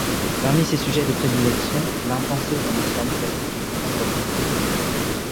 Parmi ses sujets de prédilection, l’impensé dans l’islam classique et contemporain.